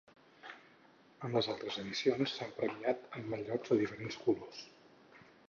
En les altres edicions s'ha premiat amb mallots de diferents colors.